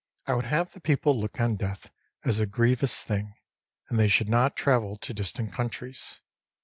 I would have the people look on death as a grievous thing, and they should not travel to distant countries.